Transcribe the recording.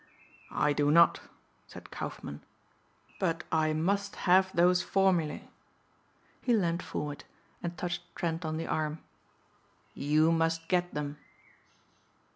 "I do not," said Kaufmann. "But I must have those formulae." He leaned forward and touched Trent on the arm. "You must get them."